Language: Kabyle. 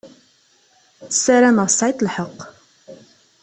Sarameɣ tesεiḍ lḥeqq.